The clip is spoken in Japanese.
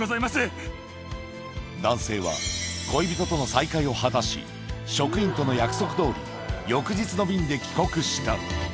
男性は、恋人との再会を果たし、職員との約束どおり、翌日の便で帰国した。